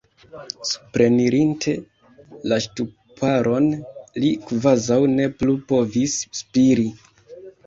Suprenirinte la ŝtuparon, li kvazaŭ ne plu povis spiri.